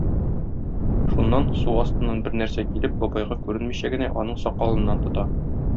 Шуннан, су астыннан бернәрсә килеп, бабайга күренмичә генә, аның сакалыннан тота.